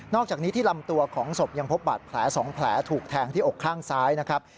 อกจากนี้ที่ลำตัวของศพยังพบบาดแผล๒แผลถูกแทงที่อกข้างซ้ายนะครับ